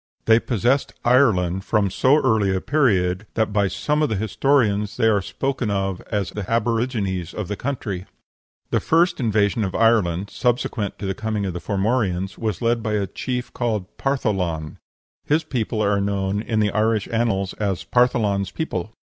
They possessed Ireland from so early a period that by some of the historians they are spoken of as the aborigines of the country. The first invasion of Ireland, subsequent to the coming of the Formorians, was led by a chief called Partholan: his people are known in the Irish annals as "Partholan's people."